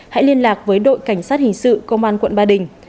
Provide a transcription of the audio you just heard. hãy liên lạc với đội cảnh sát hình sự công an quận ba đình